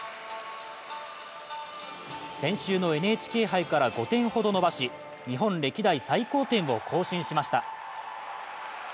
先週のＮＨＫ杯から５点ほど伸ばし日本歴代最高点を更新しました。